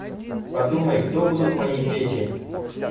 Подумай, кто будут мои дети?